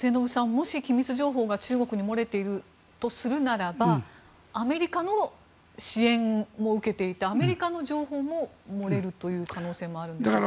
もし機密情報が中国に漏れているとするならばアメリカの支援も受けていてアメリカの情報も漏れるという可能性もあるんでしょうか。